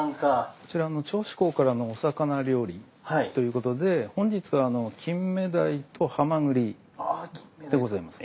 こちら銚子港からのお魚料理ということで本日はキンメダイとハマグリでございますね。